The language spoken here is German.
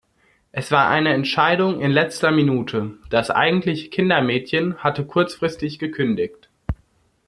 Es war eine Entscheidung in letzter Minute; das eigentliche Kindermädchen hatte kurzfristig gekündigt.